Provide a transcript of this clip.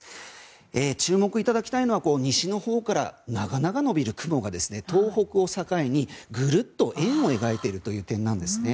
注目いただきたいのは西のほうから長々延びる雲が東北を境に、ぐるっと円を描いているという点なんですね。